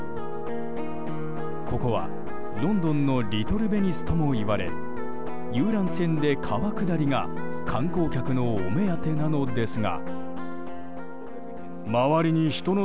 ここはロンドンのリトルベニスともいわれ遊覧船で川下りが観光客のお目当てなのですが。